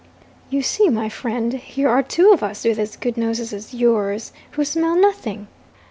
'You see, my friend, here are two of us, with as good noses as yours, who smell nothing.